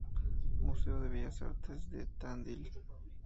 Museo de Bellas Artes de Tandil.